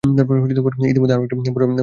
ইতিমধ্যে আর-একটি ভদ্রলোক আসিয়া উপস্থিত হইলেন।